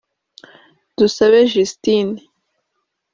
Dusabe Justine